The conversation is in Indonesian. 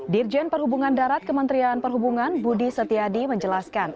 dirjen perhubungan darat kementerian perhubungan budi setiadi menjelaskan